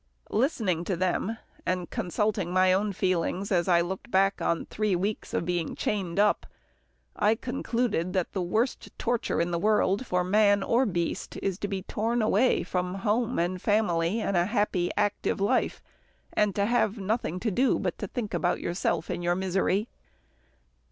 Listening to them, and consulting my own feelings, as I looked back on three weeks of being chained up, I concluded that the worst torture in the world for man or beast, is to be torn away from home and family and a happy active life, and to have nothing to do but think about yourself and your misery.